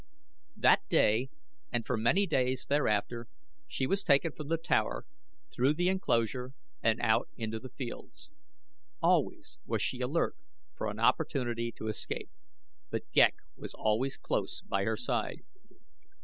That day and for many days thereafter she was taken from the tower, through the enclosure and out into the fields. Always was she alert for an opportunity to escape; but Ghek was always close by her side.